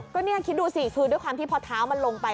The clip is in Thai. ก็นี่คิดดูสิคือด้วยความที่พอเท้ามันลงไป